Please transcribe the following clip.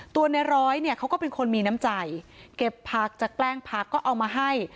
ในร้อยเนี่ยเขาก็เป็นคนมีน้ำใจเก็บผักจากแกล้งผักก็เอามาให้